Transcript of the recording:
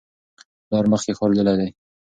پلار مخکې ښار لیدلی و.